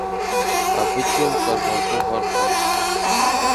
Абыкӏэ укъэзгъэгугъэркъым.